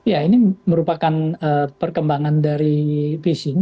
ya ini merupakan perkembangan dari phishing